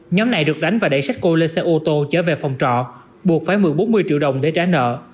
nhóm này được đánh và đẩy setsko lên xe ô tô chở về phòng trọ buộc phải mượn bốn mươi triệu đồng để trả nợ